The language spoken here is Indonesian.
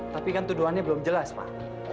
tapi kan tuduhannya belum jelas pak